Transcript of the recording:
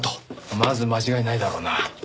まず間違いないだろうな。